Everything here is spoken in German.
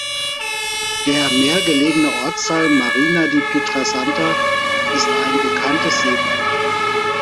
Der am Meer gelegene Ortsteil "Marina di Pietrasanta" ist ein bekanntes Seebad.